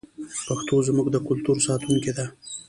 پښتو زموږ د کلتور ساتونکې ده.